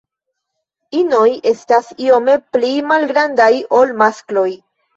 Inoj estas iome pli malgrandaj ol maskloj.